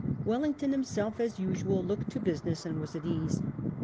Wellington himself, as usual, looked to business and was at ease.